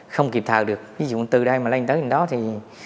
không kịp thạo được ví dụ từ đây mà lên tới trên đó thì